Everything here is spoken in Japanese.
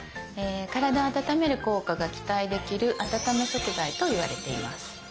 体を温める効果が期待できる温め食材といわれています。